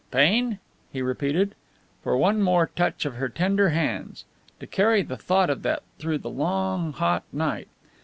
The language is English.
"Pain?" he repeated. For one more touch of her tender hands! To carry the thought of that through the long, hot night!